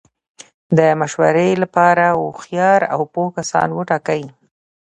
د مشورې له پاره هوښیار او پوه کسان وټاکئ!